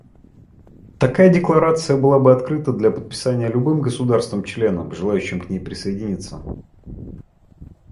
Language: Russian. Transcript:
Такая декларация была бы открыта для подписания любым государством-членом, желающим к ней присоединиться.